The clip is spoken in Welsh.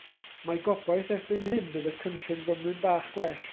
Mae gobaith erbyn hyn bydd y cynllun fymryn bach gwell.